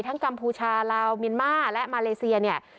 ทั้งกัมพูชาลาวมีนมาและมาเลเซียเนี่ย